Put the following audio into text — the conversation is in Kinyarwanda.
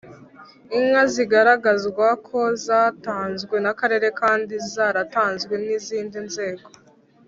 Inka zigaragazwa ko zatanzwe n akarere kandi zaratanzwe n izindi nzego